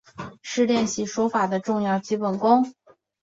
是练习书法的重要基本功。